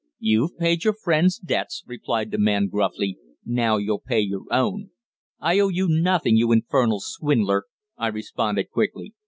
"You've paid your friend's debts," replied the man gruffly; "now you'll pay your own." "I owe you nothing, you infernal swindler!" I responded quickly.